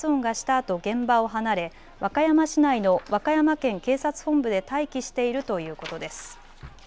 あと現場を離れ和歌山市内の和歌山県警察本部で待機しているということです。